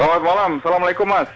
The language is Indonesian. selamat malam assalamualaikum mas